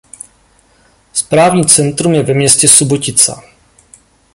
Správní centrum je ve městě Subotica.